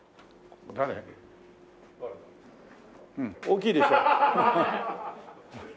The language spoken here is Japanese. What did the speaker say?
大きいでしょ？